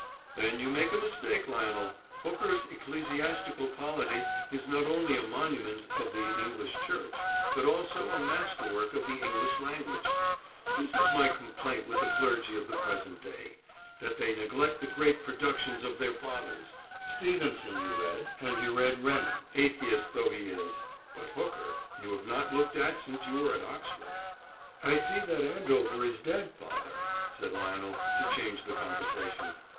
"Then you make a mistake, Lionel. Hooker's Ecclesiastical Polity is not only a monument of the English Church, but also a masterwork of the English language. That is my complaint with the clergy of the present day, that they neglect the great productions of their fathers. Stevenson you read, and you read Renan, atheist though he is; but Hooker you have not looked at since you were at Oxford." "I see that Andover is dead, father," said Lionel, to change the conversation.